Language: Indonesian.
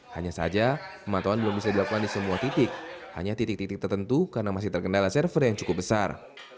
hanya saja pemantauan belum bisa dilakukan di semua titik hanya titik titik tertentu karena masih terkendala server yang cukup besar